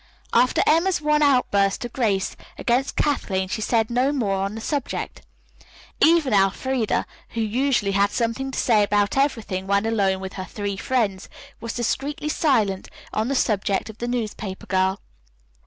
After Emma's one outburst to Grace against Kathleen she said no more on the subject. Even Elfreda, who usually had something to say about everything when alone with her three friends, was discreetly silent on the subject of the newspaper girl.